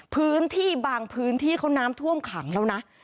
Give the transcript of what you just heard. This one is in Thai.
พื้นที่บางพื้นที่เขาน้ำท่วมขังแล้วนะ